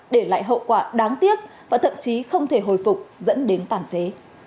để lại hậu quả đáng tiếc và thậm chí không thể hồi phục dẫn đến tàn phế